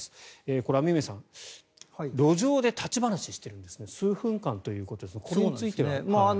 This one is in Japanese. これ、雨宮さん路上で立ち話をしている数分間ということですがこれについては。